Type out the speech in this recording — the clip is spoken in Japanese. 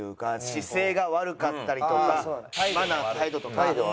姿勢が悪かったりとかマナー態度とか。